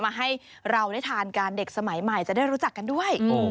ให้เราได้ทานกันเด็กสมัยใหม่จะได้รู้จักกันด้วย